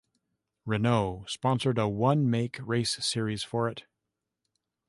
Renault sponsored a one-make race series for it.